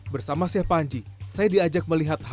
bersama sheikh panji saya diajak melihatnya